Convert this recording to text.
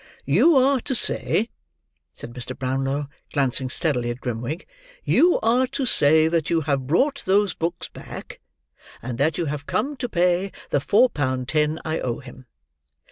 "You are to say," said Mr. Brownlow, glancing steadily at Grimwig; "you are to say that you have brought those books back; and that you have come to pay the four pound ten I owe him.